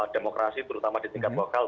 demokrasi terutama di tingkat lokal